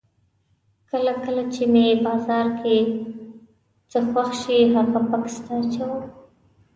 کله کله چې مې بازار کې څه خوښ شي هغه بکس ته اچوم.